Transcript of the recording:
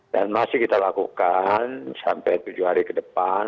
dan masih kita lakukan sampai tujuh hari ke depan